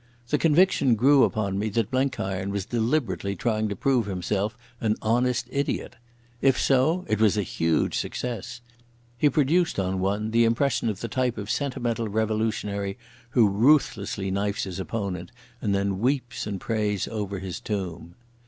The conviction grew upon me that Blenkiron was deliberately trying to prove himself an honest idiot. If so, it was a huge success. He produced on one the impression of the type of sentimental revolutionary who ruthlessly knifes his opponent and then weeps and prays over his tomb.